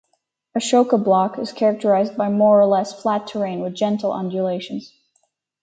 Ashoka block is characterized by more or less flat terrain with gentle undulations.